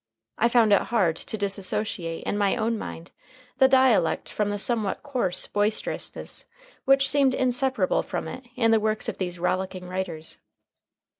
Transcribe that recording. I found it hard to dissociate in my own mind the dialect from the somewhat coarse boisterousness which seemed inseparable from it in the works of these rollicking writers.